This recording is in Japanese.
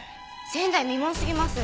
前代未聞すぎます。